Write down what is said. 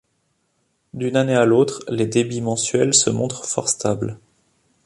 D'une année à l'autre les débits mensuels se montrent fort stables.